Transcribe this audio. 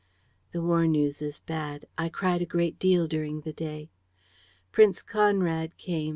"The war news is bad! I cried a great deal during the day. "Prince Conrad came.